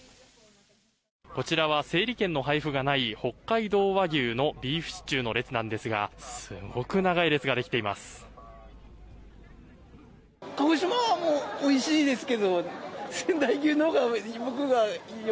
こちらは整理券の配布がない北海道和牛のビーフシチューの列なんですがすごく長い列ができています。